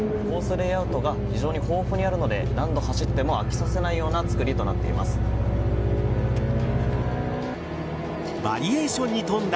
レイアウトが非常に豊富にあるので何度走っても飽きさせないようなバリエーションに富んだ